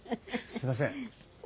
すいません。